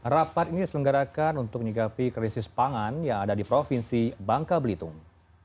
rapat ini diselenggarakan untuk menyikapi krisis pangan yang ada di provinsi bangka belitung